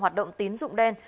hoạt động tín dụng đen